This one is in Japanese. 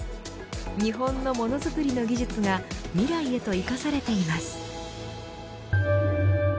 日本のものづくりの技術が未来へと生かされています。